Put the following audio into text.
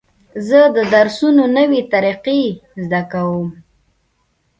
زه د درسونو نوې طریقې زده کوم.